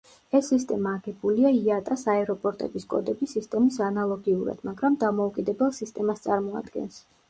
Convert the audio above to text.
ეს სისტემა აგებულია იატა-ს აეროპორტების კოდების სისტემის ანალოგიურად, მაგრამ დამოუკიდებელ სისტემას წარმოადგენს.